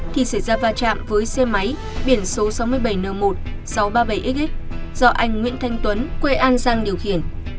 thì xảy ra va chạm với xe máy biển số sáu mươi bảy n một nghìn sáu trăm ba mươi bảy x do anh nguyễn thanh tuấn quê an giang điều khiển